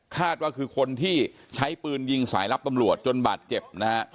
คาดว่าคือคนที่ใช้ปืนยิงสายรับตำรวจจนบาดเจ็บนะฮะ